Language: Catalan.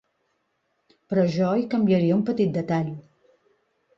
Però jo hi canviaria un petit detall.